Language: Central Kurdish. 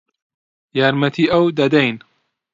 یارمەتیی ئەو دەدەین.